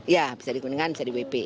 ya bisa di kuningan bisa di wp